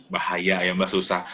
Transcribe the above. bahaya ya mbak susah